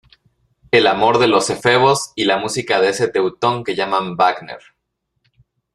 el amor de los efebos y la música de ese teutón que llaman Wagner.